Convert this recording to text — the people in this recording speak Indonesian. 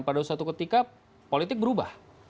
pada suatu ketika politik berubah